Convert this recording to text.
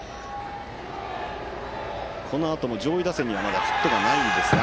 このあとも上位打線にはヒットがないんですが。